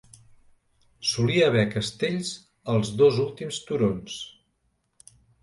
Solia haver castells als dos últims turons.